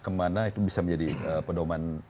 kemana itu bisa menjadi pedoman